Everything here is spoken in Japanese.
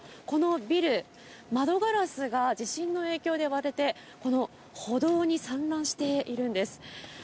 このビル、窓ガラスが地震の影響で割れて、歩道に散乱しているんです。